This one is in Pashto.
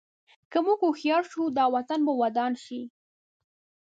که موږ هوښیار شو، دا وطن به ودان شي.